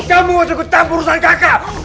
kamu mau jaga tanpa perusahaan kakak